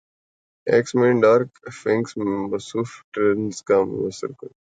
x Men Dark Phoenix میں Sophie Turner کا متاثر کن روپ